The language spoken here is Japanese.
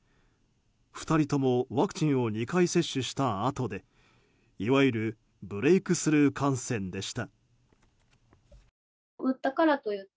２人ともワクチンを２回接種したあとでいわゆるブレークスルー感染でした。